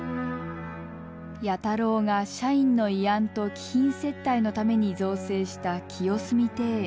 弥太郎が社員の慰安と貴賓接待のために造成した清澄庭園。